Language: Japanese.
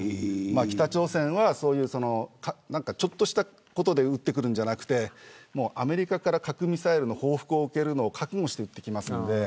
北朝鮮はちょっとしたことで撃つんじゃなくてアメリカから核ミサイルの報復を受けることを覚悟して撃ってきます。